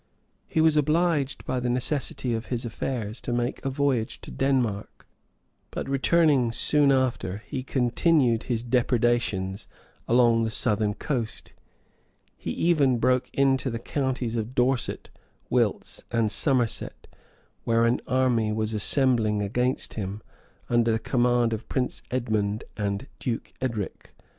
He was obliged, by the necessity of his affairs, to make a voyage to Denmark; but, returning soon after, he continued his depredations along the southern coast He even broke into the counties of Dorset, Wilts, and Somerset where an army was assembled against him, under the command of Prince Edmond and Duke Edric.